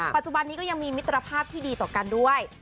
ปัจจุบันนี้ก็ยังมีมิตรภาพที่ดีต่อกันด้วย